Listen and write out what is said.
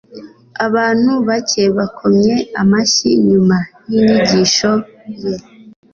abantu bake bakomye amashyi nyuma yinyigisho ye